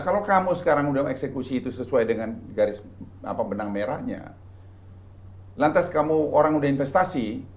kalau kamu sekarang udah eksekusi itu sesuai dengan garis benang merahnya lantas kamu orang udah investasi